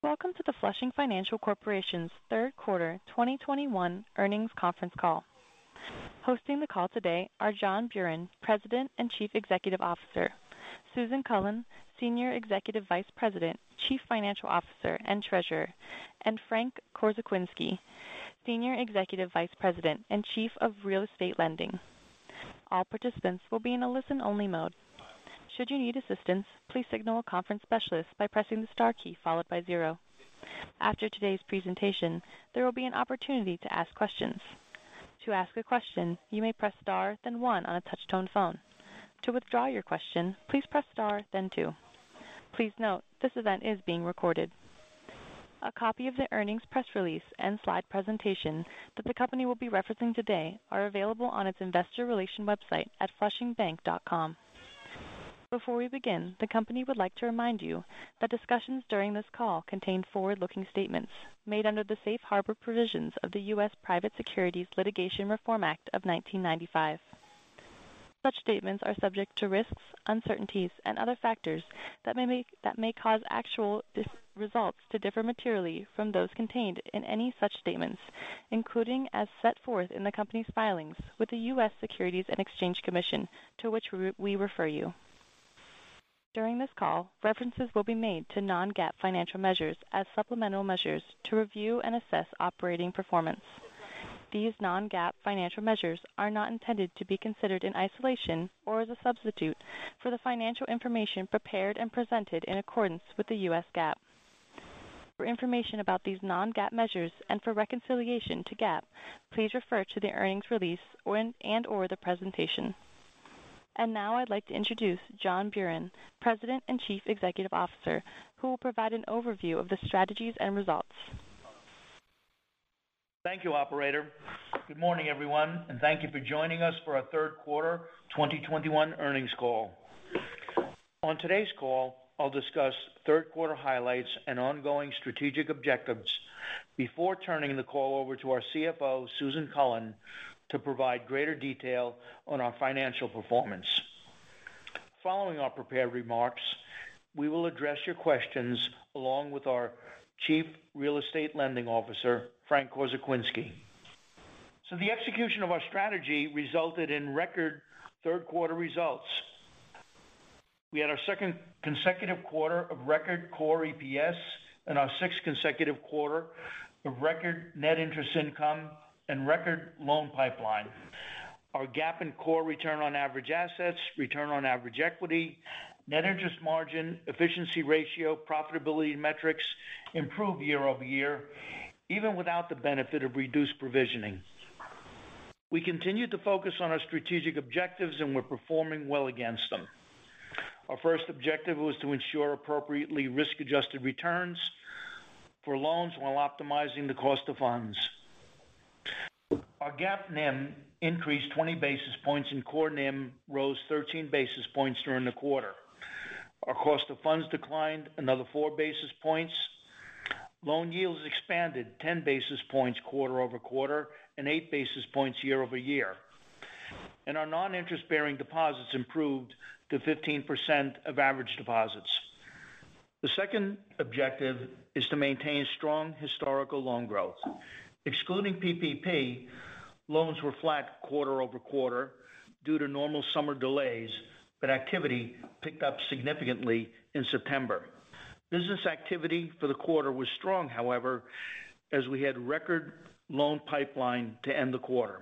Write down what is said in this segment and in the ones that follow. Welcome to the Flushing Financial Corporation's third quarter 2021 earnings conference call. Hosting the call today are John Buran, President and Chief Executive Officer, Susan Cullen, Senior Executive Vice President, Chief Financial Officer, and Treasurer, and Frank Korzekwinski, Senior Executive Vice President and Chief of Real Estate Lending. All participants will be in a listen-only mode. Should you need assistance, please signal a conference specialist by pressing the star key followed by zero. After today's presentation, there will be an opportunity to ask questions. To ask a question, you may press star then one on a touch-tone phone. To withdraw your question, please press star then two. Please note, this event is being recorded. A copy of the earnings press release and slide presentation that the company will be referencing today are available on its investor relation website at flushingbank.com. Before we begin, the company would like to remind you that discussions during this call contain forward-looking statements made under the Safe Harbor provisions of the U.S. Private Securities Litigation Reform Act of 1995. Such statements are subject to risks, uncertainties, and other factors that may cause actual results to differ materially from those contained in any such statements, including as set forth in the company's filings with the U.S. Securities and Exchange Commission, to which we refer you. During this call, references will be made to non-GAAP financial measures as supplemental measures to review and assess operating performance. These non-GAAP financial measures are not intended to be considered in isolation or as a substitute for the financial information prepared and presented in accordance with the U.S. GAAP. For information about these non-GAAP measures and for reconciliation to GAAP, please refer to the earnings release when and/or the presentation. Now I'd like to introduce John Buran, President and Chief Executive Officer, who will provide an overview of the strategies and results. Thank you, operator. Good morning, everyone, and thank you for joining us for our third quarter 2021 earnings call. On today's call, I'll discuss third quarter highlights and ongoing strategic objectives before turning the call over to our CFO, Susan Cullen, to provide greater detail on our financial performance. Following our prepared remarks, we will address your questions along with our Chief Real Estate Lending Officer, Frank Korzekwinski. The execution of our strategy resulted in record third quarter results. We had our second consecutive quarter of record core EPS and our sixth consecutive quarter of record net interest income and record loan pipeline. Our GAAP and core return on average assets, return on average equity, net interest margin, efficiency ratio, profitability metrics improved year-over-year, even without the benefit of reduced provisioning. We continued to focus on our strategic objectives, and we're performing well against them. Our first objective was to ensure appropriately risk-adjusted returns for loans while optimizing the cost of funds. Our GAAP NIM increased 20 basis points, and core NIM rose 13 basis points during the quarter. Our cost of funds declined another 4 basis points. Loan yields expanded 10 basis points quarter-over-quarter and 8 basis points year-over-year. Our non-interest-bearing deposits improved to 15% of average deposits. The second objective is to maintain strong historical loan growth. Excluding PPP, loans were flat quarter-over-quarter due to normal summer delays, but activity picked up significantly in September. Business activity for the quarter was strong, however, as we had record loan pipeline to end the quarter.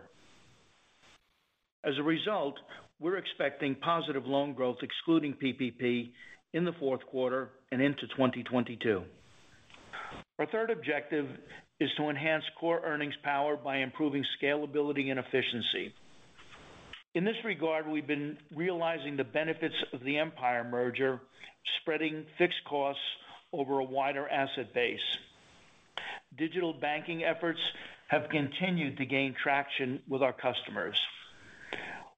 As a result, we're expecting positive loan growth excluding PPP in the fourth quarter and into 2022. Our third objective is to enhance core earnings power by improving scalability and efficiency. In this regard, we've been realizing the benefits of the Empire merger, spreading fixed costs over a wider asset base. Digital banking efforts have continued to gain traction with our customers.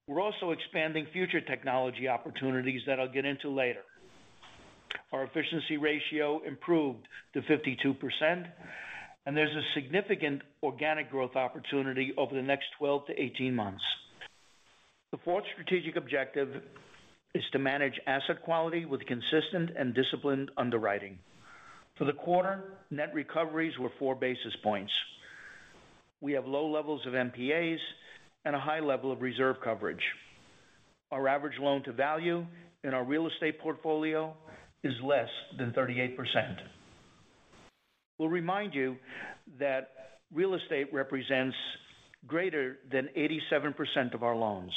We're also expanding future technology opportunities that I'll get into later. Our efficiency ratio improved to 52%, and there's a significant organic growth opportunity over the next 12-18 months. The fourth strategic objective is to manage asset quality with consistent and disciplined underwriting. For the quarter, net recoveries were 4 basis points. We have low levels of NPAs and a high level of reserve coverage. Our average loan to value in our real estate portfolio is less than 38%. We'll remind you that real estate represents greater than 87% of our loans.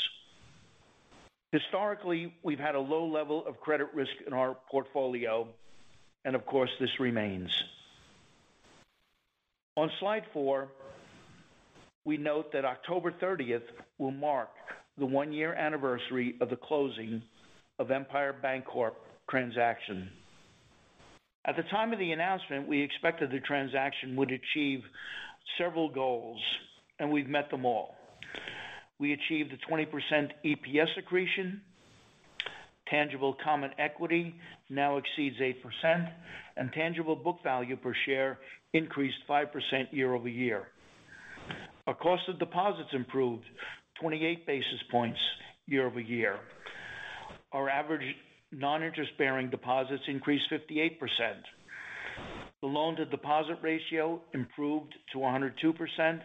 Historically, we've had a low level of credit risk in our portfolio, and of course, this remains. On slide four, we note that October 30th will mark the one-year anniversary of the closing of Empire Bancorp transaction. At the time of the announcement, we expected the transaction would achieve several goals, and we've met them all. We achieved a 20% EPS accretion. Tangible common equity now exceeds 8%, and tangible book value per share increased 5% year-over-year. Our cost of deposits improved 28 basis points year-over-year. Our average non-interest-bearing deposits increased 58%. The loan to deposit ratio improved to 102%,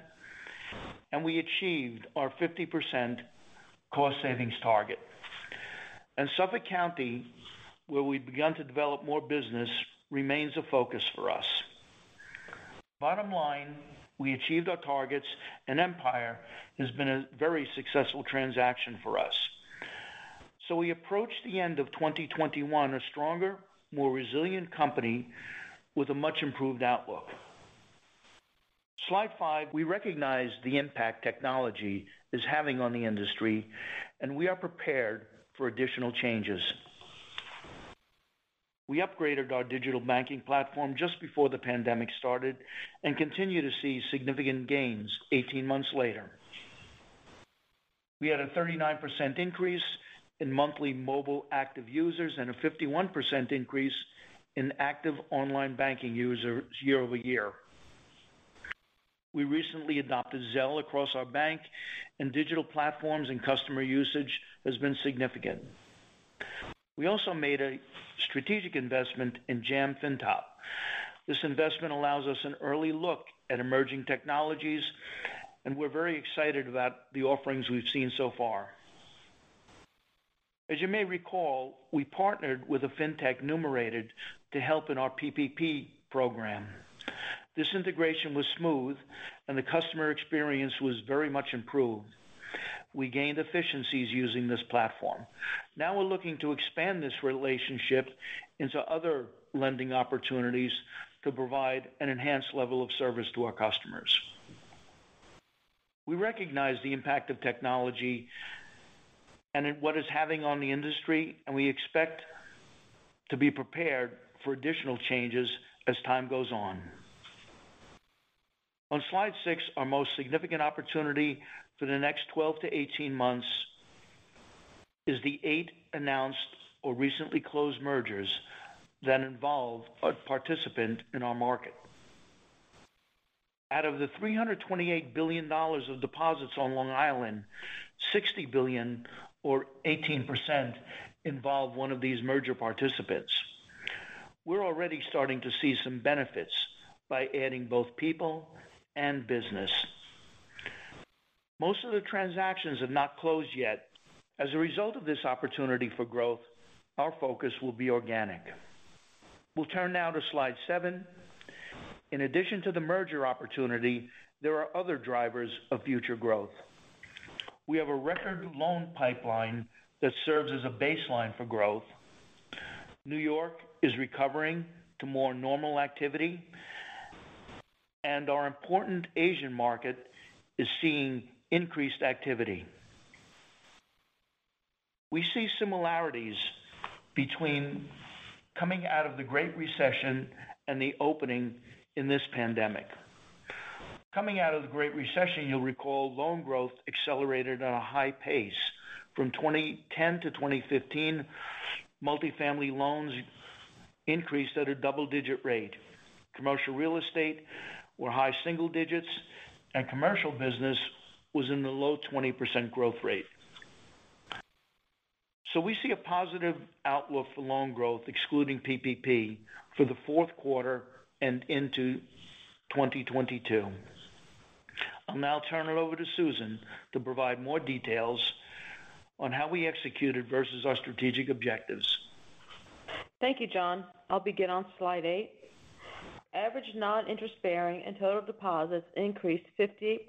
and we achieved our 50% cost savings target. Suffolk County, where we've begun to develop more business, remains a focus for us. Bottom line, we achieved our targets, and Empire has been a very successful transaction for us. We approach the end of 2021, a stronger, more resilient company with a much improved outlook. Slide five, we recognize the impact technology is having on the industry and we are prepared for additional changes. We upgraded our digital banking platform just before the pandemic started and continue to see significant gains 18 months later. We had a 39% increase in monthly mobile active users and a 51% increase in active online banking users year-over-year. We recently adopted Zelle across our bank, and digital platforms and customer usage has been significant. We also made a strategic investment in JAM FINTOP. This investment allows us an early look at emerging technologies, and we're very excited about the offerings we've seen so far. As you may recall, we partnered with a fintech Numerated to help in our PPP program. This integration was smooth and the customer experience was very much improved. We gained efficiencies using this platform. Now we're looking to expand this relationship into other lending opportunities to provide an enhanced level of service to our customers. We recognize the impact of technology and what it's having on the industry, and we expect to be prepared for additional changes as time goes on. On slide six, our most significant opportunity for the next 12-18 months is the eight announced or recently closed mergers that involve a participant in our market. Out of the $328 billion of deposits on Long Island, $60 billion or 18% involve one of these merger participants. We're already starting to see some benefits by adding both people and business. Most of the transactions have not closed yet. As a result of this opportunity for growth, our focus will be organic. We'll turn now to slide seven. In addition to the merger opportunity, there are other drivers of future growth. We have a record loan pipeline that serves as a baseline for growth. New York is recovering to more normal activity, and our important Asian market is seeing increased activity. We see similarities between coming out of the Great Recession and the opening in this pandemic. Coming out of the Great Recession, you'll recall loan growth accelerated at a high pace. From 2010 to 2015, multifamily loans increased at a double-digit rate. Commercial real estate were high single digits, and commercial business was in the low 20% growth rate. We see a positive outlook for loan growth, excluding PPP, for the fourth quarter and into 2022. I'll now turn it over to Susan to provide more details on how we executed versus our strategic objectives. Thank you, John. I'll begin on slide eight. Average non-interest-bearing and total deposits increased 58%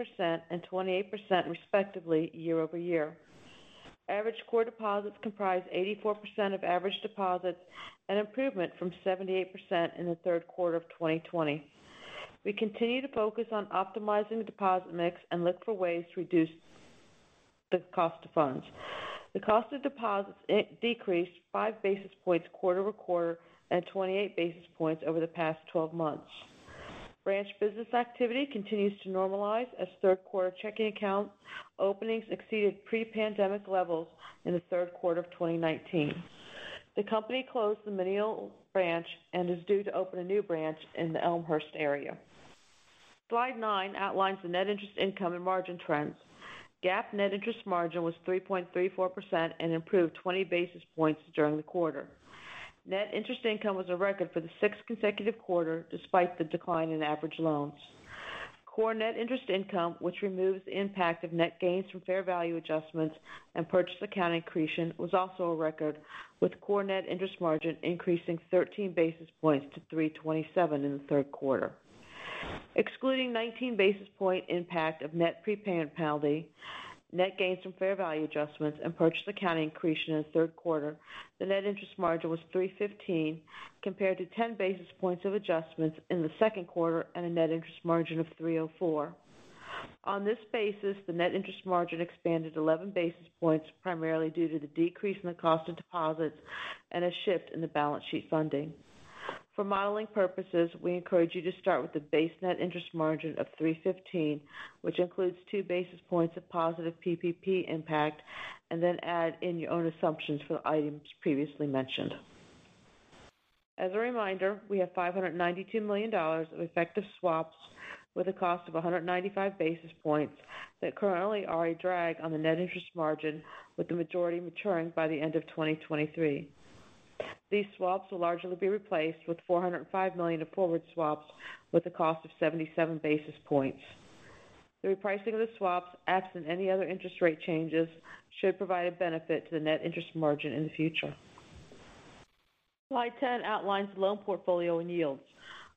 and 28%, respectively, year-over-year. Average core deposits comprise 84% of average deposits, an improvement from 78% in the third quarter of 2020. We continue to focus on optimizing the deposit mix and look for ways to reduce the cost of funds. The cost of deposits decreased 5 basis points quarter-over-quarter and 28 basis points over the past 12 months. Branch business activity continues to normalize as third quarter checking account openings exceeded pre-pandemic levels in the third quarter of 2019. The company closed the Mineola branch and is due to open a new branch in the Elmhurst area. Slide nine outlines the net interest income and margin trends. GAAP net interest margin was 3.34% and improved 20 basis points during the quarter. Net interest income was a record for the sixth consecutive quarter despite the decline in average loans. Core net interest income, which removes the impact of net gains from fair value adjustments and purchase accounting accretion, was also a record, with core net interest margin increasing 13 basis points to 3.27% in the third quarter. Excluding 19 basis point impact of net prepay and penalty, net gains from fair value adjustments, and purchase accounting accretion in the third quarter, the net interest margin was 3.15%, compared to 10 basis points of adjustments in the second quarter and a net interest margin of 3.04%. On this basis, the net interest margin expanded 11 basis points, primarily due to the decrease in the cost of deposits and a shift in the balance sheet funding. For modeling purposes, we encourage you to start with the base net interest margin of 3.15, which includes 2 basis points of positive PPP impact, and then add in your own assumptions for the items previously mentioned. As a reminder, we have $592 million of effective swaps with a cost of 195 basis points that currently are a drag on the net interest margin, with the majority maturing by the end of 2023. These swaps will largely be replaced with $405 million of forward swaps with a cost of 77 basis points. The repricing of the swaps, absent any other interest rate changes, should provide a benefit to the net interest margin in the future. Slide 10 outlines loan portfolio and yields.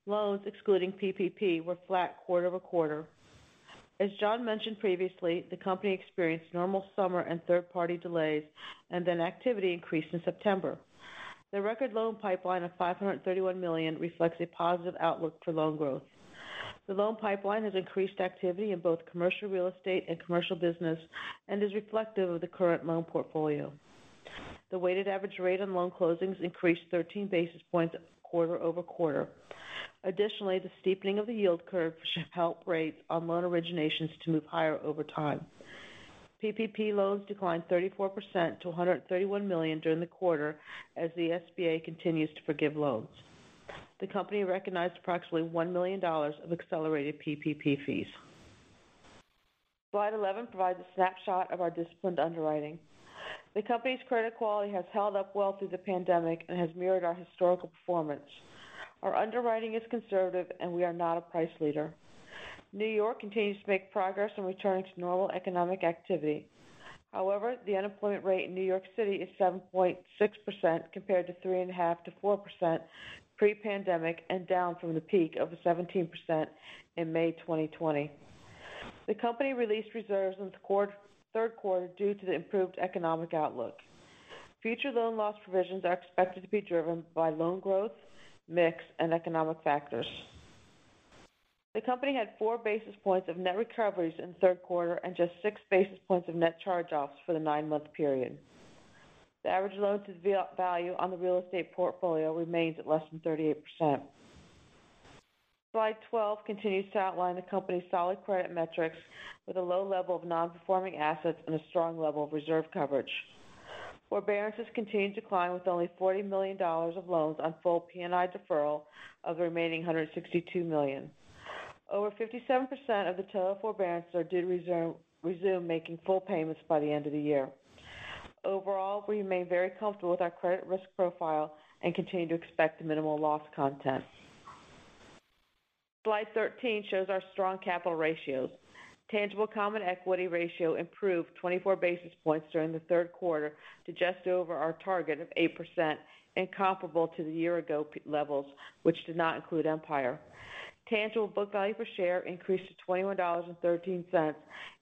Loans excluding PPP were flat quarter-over-quarter. As John mentioned previously, the company experienced normal summer and third-party delays, and then activity increased in September. The record loan pipeline of $531 million reflects a positive outlook for loan growth. The loan pipeline has increased activity in both commercial real estate and commercial business and is reflective of the current loan portfolio. The weighted average rate on loan closings increased 13 basis points quarter-over-quarter. Additionally, the steepening of the yield curve should help rates on loan originations to move higher over time. PPP loans declined 34% to $131 million during the quarter as the SBA continues to forgive loans. The company recognized approximately $1 million of accelerated PPP fees. Slide 11 provides a snapshot of our disciplined underwriting. The company's credit quality has held up well through the pandemic and has mirrored our historical performance. Our underwriting is conservative, and we are not a price leader. New York continues to make progress in returning to normal economic activity. However, the unemployment rate in New York City is 7.6% compared to 3.5%-4% pre-pandemic and down from the peak of 17% in May 2020. The company released reserves in the third quarter due to the improved economic outlook. Future loan loss provisions are expected to be driven by loan growth, mix, and economic factors. The company had 4 basis points of net recoveries in the third quarter and just 6 basis points of net charge-offs for the nine-month period. The average loan-to-value on the real estate portfolio remains at less than 38%. Slide 12 continues to outline the company's solid credit metrics with a low level of non-performing assets and a strong level of reserve coverage. Forbearances continue to decline, with only $40 million of loans on full P&I deferral of the remaining $162 million. Over 57% of the total forbearance are due to resume making full payments by the end of the year. Overall, we remain very comfortable with our credit risk profile and continue to expect minimal loss content. Slide 13 shows our strong capital ratios. Tangible common equity ratio improved 24 basis points during the third quarter to just over our target of 8% and comparable to the year-ago period levels, which did not include Empire. Tangible book value per share increased to $21.13,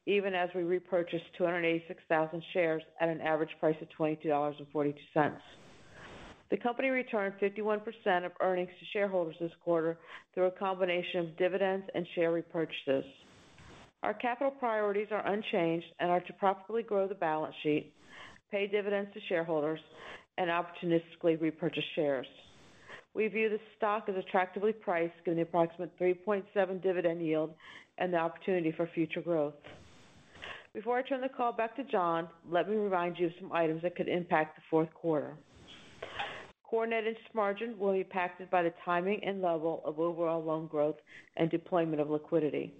even as we repurchased 286,000 shares at an average price of $22.42. The company returned 51% of earnings to shareholders this quarter through a combination of dividends and share repurchases. Our capital priorities are unchanged and are to profitably grow the balance sheet, pay dividends to shareholders, and opportunistically repurchase shares. We view the stock as attractively priced given the approximate 3.7% dividend yield and the opportunity for future growth. Before I turn the call back to John, let me remind you of some items that could impact the fourth quarter. Core net interest margin will be impacted by the timing and level of overall loan growth and deployment of liquidity.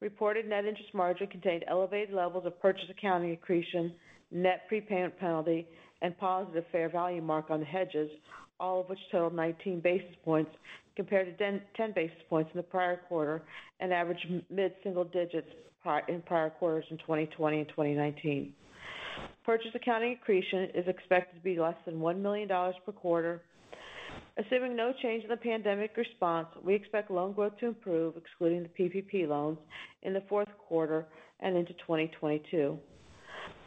Reported net interest margin contained elevated levels of purchase accounting accretion, net prepayment penalty, and positive fair value mark on the hedges, all of which totaled 19 basis points compared to 10 basis points in the prior quarter and average mid-single digits in prior quarters in 2020 and 2019. Purchase accounting accretion is expected to be less than $1 million per quarter. Assuming no change in the pandemic response, we expect loan growth to improve, excluding the PPP loans, in the fourth quarter and into 2022.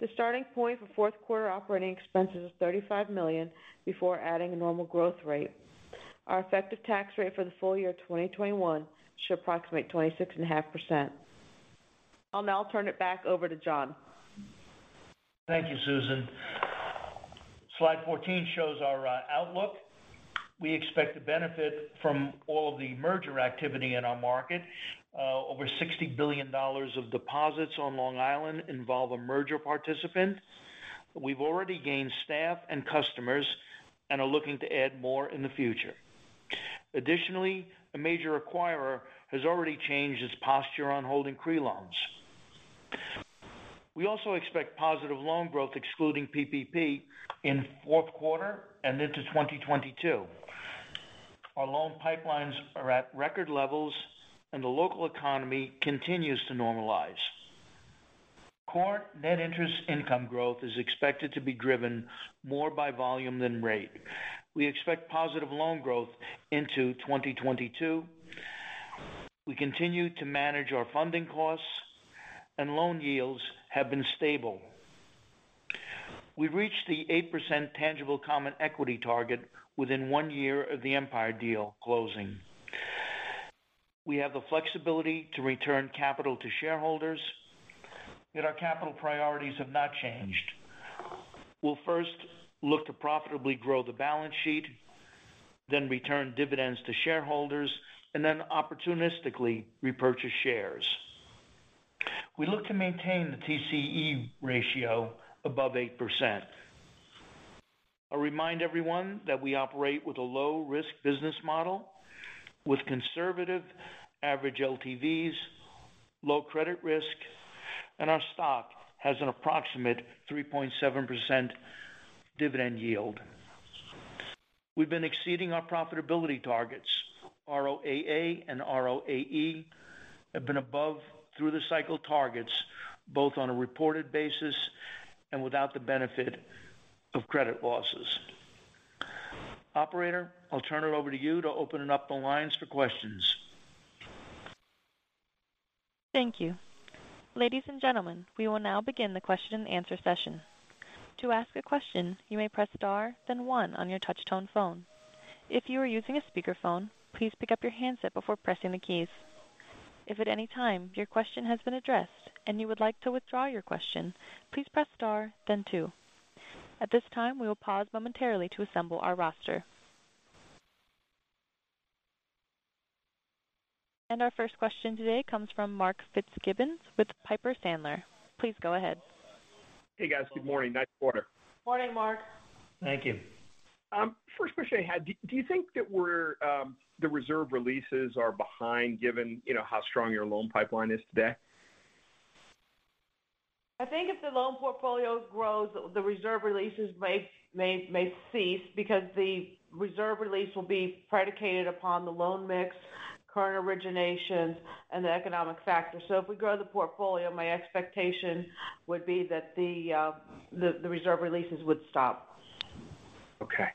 The starting point for fourth quarter operating expenses is $35 million before adding a normal growth rate. Our effective tax rate for the full year 2021 should approximate 26.5%. I'll now turn it back over to John. Thank you, Susan. Slide 14 shows our outlook. We expect to benefit from all of the merger activity in our market. Over $60 billion of deposits on Long Island involve a merger participant. We've already gained staff and customers and are looking to add more in the future. Additionally, a major acquirer has already changed its posture on holding CRE loans. We also expect positive loan growth excluding PPP in fourth quarter and into 2022. Our loan pipelines are at record levels and the local economy continues to normalize. Core net interest income growth is expected to be driven more by volume than rate. We expect positive loan growth into 2022. We continue to manage our funding costs and loan yields have been stable. We reached the 8% tangible common equity target within 1 year of the Empire deal closing. We have the flexibility to return capital to shareholders, yet our capital priorities have not changed. We'll first look to profitably grow the balance sheet, then return dividends to shareholders, and then opportunistically repurchase shares. We look to maintain the TCE ratio above 8%. I remind everyone that we operate with a low-risk business model with conservative average LTVs, low credit risk, and our stock has an approximate 3.7% dividend yield. We've been exceeding our profitability targets. ROAA and ROAE have been above through the cycle targets, both on a reported basis and without the benefit of credit losses. Operator, I'll turn it over to you to open up the lines for questions. Thank you. Ladies and gentlemen, we will now begin the question and answer session. To ask a question, you may press star, then one on your touch-tone phone. If you are using a speakerphone, please pick up your handset before pressing the keys. If at any time your question has been addressed and you would like to withdraw your question, please press star then two. At this time, we will pause momentarily to assemble our roster. Our first question today comes from Mark Fitzgibbon with Piper Sandler. Please go ahead. Hey, guys. Good morning. Nice quarter. Morning, Mark. Thank you. First question I had, do you think the reserve releases are behind given, you know, how strong your loan pipeline is today? I think if the loan portfolio grows, the reserve releases may cease because the reserve release will be predicated upon the loan mix, current originations, and the economic factors. If we grow the portfolio, my expectation would be that the reserve releases would stop. Okay.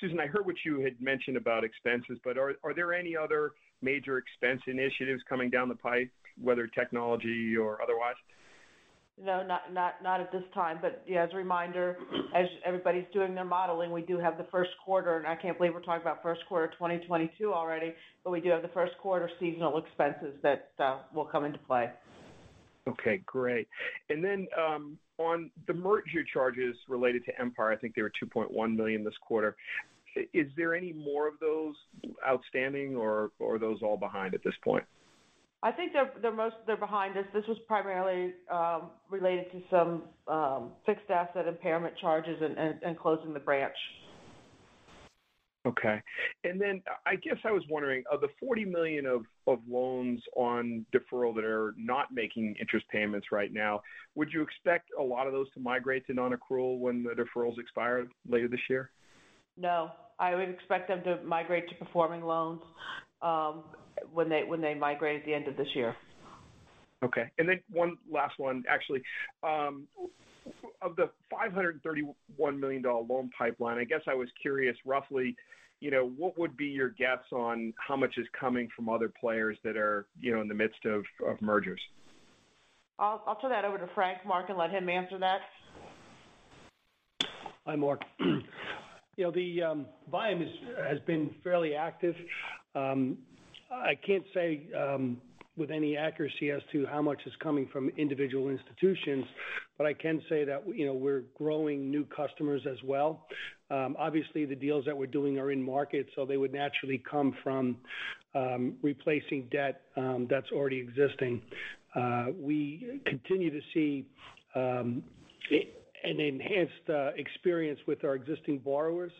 Susan, I heard what you had mentioned about expenses, but are there any other major expense initiatives coming down the pipe, whether technology or otherwise? No, not at this time. Yeah, as a reminder, as everybody's doing their modeling, we do have the first quarter, and I can't believe we're talking about first quarter 2022 already, but we do have the first quarter seasonal expenses that will come into play. Okay, great. On the merger charges related to Empire, I think they were $2.1 million this quarter. Is there any more of those outstanding or are those all behind at this point? I think they're behind us. This was primarily related to some fixed asset impairment charges and closing the branch. Okay. I guess I was wondering, of the $40 million of loans on deferral that are not making interest payments right now, would you expect a lot of those to migrate to non-accrual when the deferrals expire later this year? No, I would expect them to migrate to performing loans, when they migrate at the end of this year. Okay. One last one, actually. Of the $531 million loan pipeline, I guess I was curious roughly, you know, what would be your guess on how much is coming from other players that are, you know, in the midst of mergers? I'll turn that over to Frank, Mark, and let him answer that. Hi, Mark. You know, the volume has been fairly active. I can't say with any accuracy as to how much is coming from individual institutions, but I can say that you know, we're growing new customers as well. Obviously, the deals that we're doing are in market, so they would naturally come from replacing debt that's already existing. We continue to see an enhanced experience with our existing borrowers.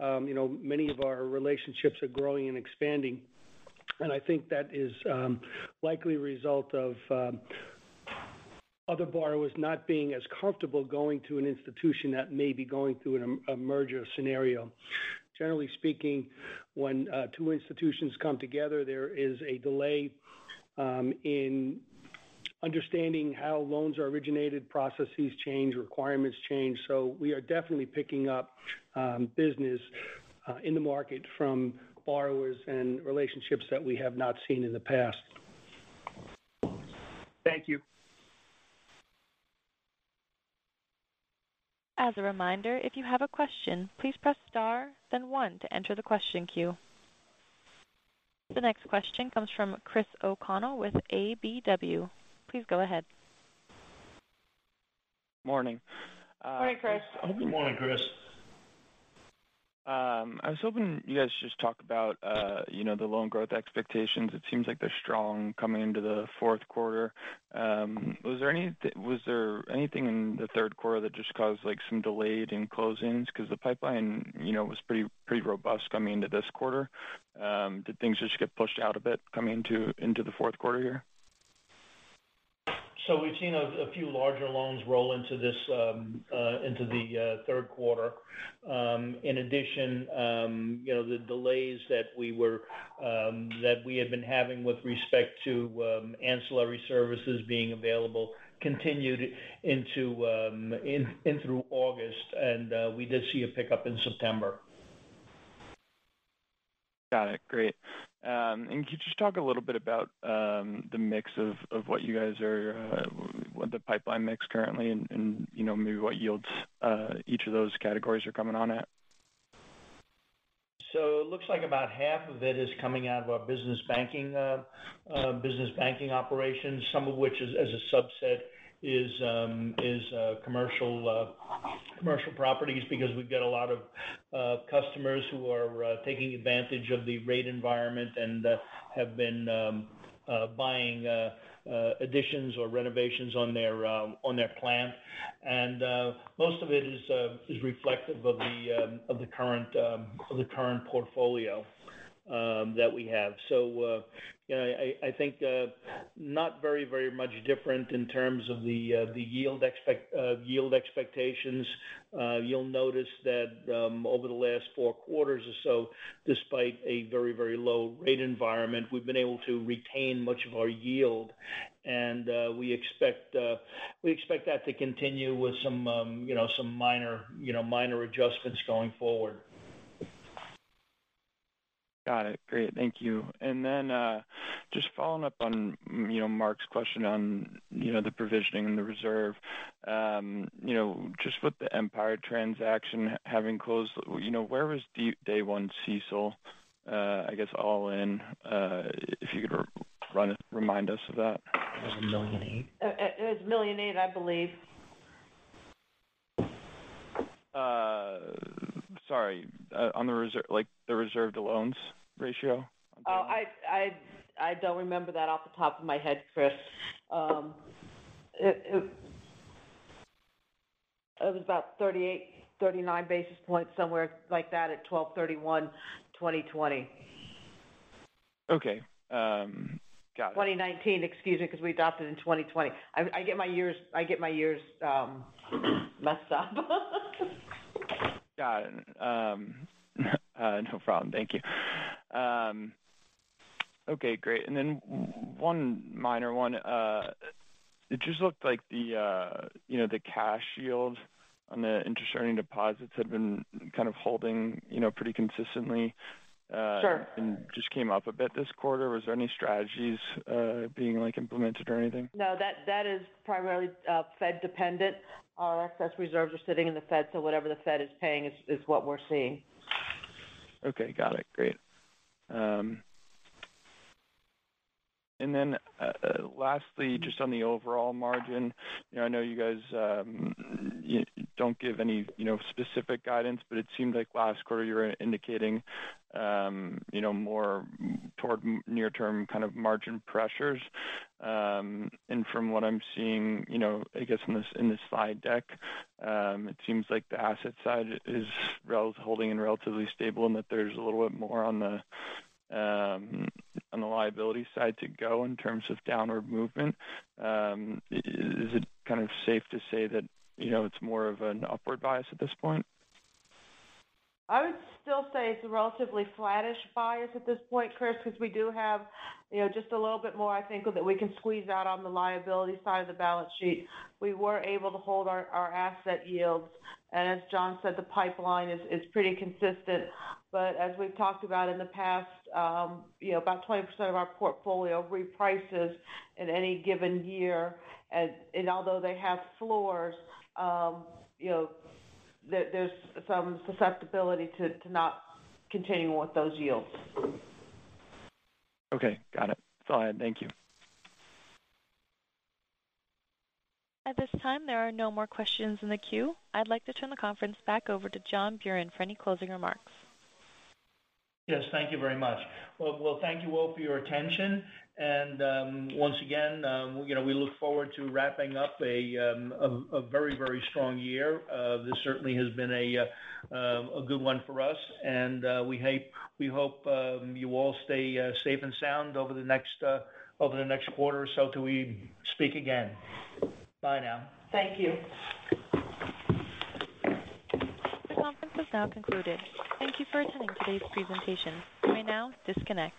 You know, many of our relationships are growing and expanding, and I think that is likely a result of other borrowers not being as comfortable going to an institution that may be going through a merger scenario. Generally speaking, when two institutions come together, there is a delay in understanding how loans are originated. Processes change, requirements change. We are definitely picking up business in the market from borrowers and relationships that we have not seen in the past. Thank you. As a reminder, if you have a question, please press star then one to enter the question queue. The next question comes from Chris O'Connell with KBW. Please go ahead. Morning. Morning, Chris. Good morning, Chris. I was hoping you guys just talk about, you know, the loan growth expectations. It seems like they're strong coming into the fourth quarter. Was there anything in the third quarter that just caused, like, some delay in closings? 'Cause the pipeline, you know, was pretty robust coming into this quarter. Did things just get pushed out a bit coming into the fourth quarter here? We've seen a few larger loans roll into the third quarter. In addition, you know, the delays that we had been having with respect to ancillary services being available continued in through August. We did see a pickup in September. Got it. Great. Could you just talk a little bit about the mix of what the pipeline mix currently and, you know, maybe what yields each of those categories are coming on at? Looks like about half of it is coming out of our business banking operations. Some of which, as a subset, is commercial properties because we've got a lot of customers who are taking advantage of the rate environment and have been. Buying additions or renovations on their plan. Most of it is reflective of the current portfolio that we have. You know, I think not very much different in terms of the yield expectations. You'll notice that over the last four quarters or so, despite a very low rate environment, we've been able to retain much of our yield. We expect that to continue with some, you know, minor adjustments going forward. Got it. Great. Thank you. Just following up on, you know, Mark's question on, you know, the provisioning and the reserve. You know, just with the Empire transaction having closed, you know, where was the day one CECL, I guess all in, if you could remind us of that? It was $1,000,008. It was $1,000,008, I believe. On the reserve, like the reserve loans ratio. Oh, I don't remember that off the top of my head, Chris. It was about 38-39 basis points, somewhere like that at 12/31/2020. Okay. Got it. 2019, excuse me, because we adopted in 2020. I get my years messed up. Got it. No problem. Thank you. Okay, great. One minor one. It just looked like the cash yield on the interest earning deposits had been kind of holding, you know, pretty consistently. Sure. just came up a bit this quarter. Was there any strategies, being, like, implemented or anything? No, that is primarily Fed dependent. Our excess reserves are sitting in the Fed, so whatever the Fed is paying is what we're seeing. Okay. Got it. Great. Lastly, just on the overall margin. You know, I know you guys, you don't give any, you know, specific guidance, but it seemed like last quarter you were indicating, you know, more toward near-term kind of margin pressures. From what I'm seeing, you know, I guess in this slide deck, it seems like the asset side is holding and relatively stable, and that there's a little bit more on the liability side to go in terms of downward movement. Is it kind of safe to say that, you know, it's more of an upward bias at this point? I would still say it's a relatively flattish bias at this point, Chris, because we do have, you know, just a little bit more I think that we can squeeze out on the liability side of the balance sheet. We were able to hold our asset yields. As John said, the pipeline is pretty consistent. As we've talked about in the past, you know, about 20% of our portfolio reprices in any given year. Although they have floors, you know, there's some susceptibility to not continuing with those yields. Okay. Got it. It's all right. Thank you. At this time, there are no more questions in the queue. I'd like to turn the conference back over to John Buran for any closing remarks. Yes, thank you very much. Well, thank you all for your attention. Once again, you know, we look forward to wrapping up a very strong year. This certainly has been a good one for us. We hope you all stay safe and sound over the next quarter or so till we speak again. Bye now. Thank you. The conference is now concluded. Thank you for attending today's presentation. You may now disconnect.